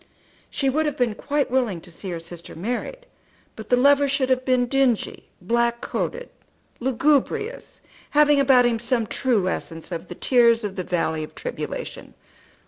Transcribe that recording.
She would have been quite willing to see her sister married, but the lover should have been dingy, black coated, lugubrious, having about him some true essence of the tears of the valley of tribulation.